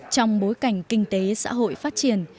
trong bối cảnh kinh tế xã hội phát triển